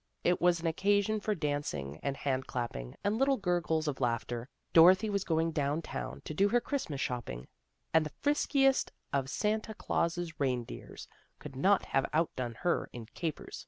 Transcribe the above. It was an occasion for dancing and hand clapping and little gurgles of laughter. Dorothy was going down town to do her Christmas shopping, and the friskiest of Santa Claus' reindeers could not have outdone her in capers.